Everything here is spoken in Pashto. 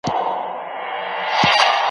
پوره کړی مي د سپي غریب وصیت دی